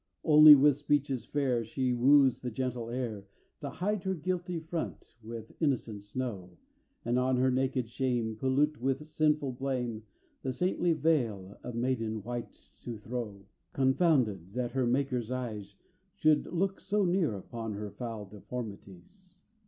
II Only with speeches fair She woos the gentle air To hide her guilty front with innocent snow. And on her naked shame. Pollute with sinful blame, The saintly veil of maiden white to throw; 586 ON THE MORNING OF CHRIST'S NATIVITY Confounded, that her Maker's eyes Should look so near upon her foul deformities.